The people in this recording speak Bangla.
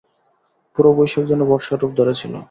পুরো বৈশাখ যেন বর্ষার রূপ ধরেছিল।